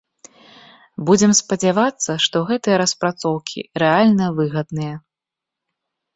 Будзем спадзявацца, што гэтыя распрацоўкі рэальна выгадныя.